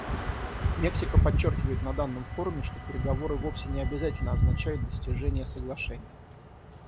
Мексика подчеркивает на данном форуме, что переговоры вовсе не обязательно означают достижение соглашения.